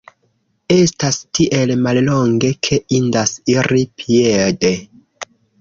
Estas tiel mallonge ke indas iri piede.